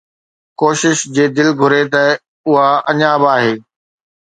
ڪوشش جي، دل گهري ته اُها اڃا به آهي